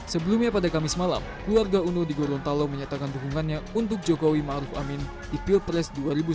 sebelumnya pada kamis malam keluarga uno di gorontalo menyatakan dukungannya untuk jokowi ⁇ maruf ⁇ amin di pilpres dua ribu sembilan belas